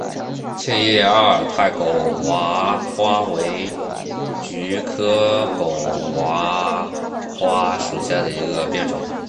千叶阿尔泰狗娃花为菊科狗哇花属下的一个变种。